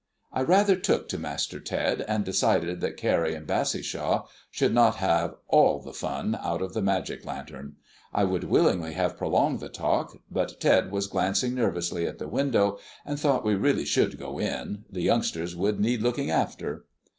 I rather took to Master Ted, and decided that Carrie and Bassishaw should not have all the fun out of the magic lantern. I would willingly have prolonged the talk, but Ted was glancing nervously at the window, and thought we really should go in the youngsters would need looking after.